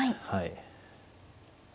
はい。